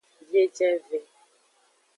Biejenve.